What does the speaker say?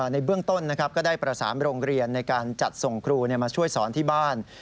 ในเบื้องต้นก็ได้ประสานโรงเรียนในการจัดส่งครูมาช่วยสอนที่บ้าน